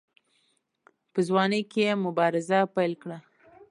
په ځوانۍ کې یې مبارزه پیل کړه.